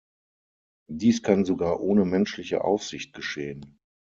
Dies kann sogar ohne menschliche Aufsicht geschehen.